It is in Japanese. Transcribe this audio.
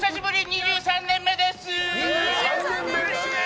２３年目です！